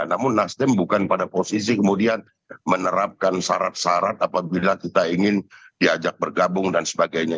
namun nasdem bukan pada posisi kemudian menerapkan syarat syarat apabila kita ingin diajak bergabung dan sebagainya